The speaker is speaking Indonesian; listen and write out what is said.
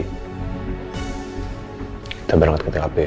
kita berangkat ke tkp